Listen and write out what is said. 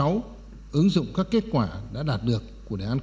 ứng dụng các kết quả đã đạt được của đề án sáu